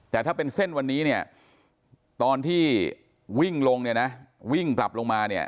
แต่ถ้าเป็นเส้นวันนี้ตอนที่วิ่งลงวิ่งปรับลงมา